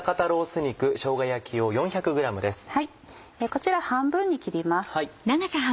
こちら半分に切ります。